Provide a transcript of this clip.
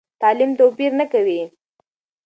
تعلیم توپیر نه کوي.